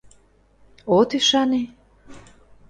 — От ӱшане?